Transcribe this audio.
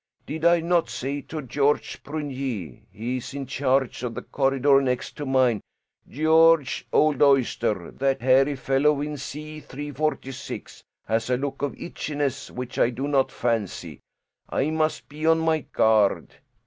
Did I not say to Georges Prunier he is in charge of the corridor next to mine 'Georges, old oyster, that hairy fellow in C 346 has a look of itchiness which I do not fancy. I must be on my guard.'